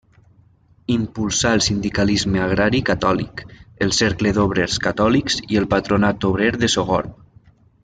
Impulsà el sindicalisme agrari catòlic, el Cercle d'Obrers Catòlics i el Patronat Obrer de Sogorb.